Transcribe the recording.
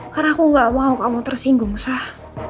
karena aku gak mau kamu tersinggung sah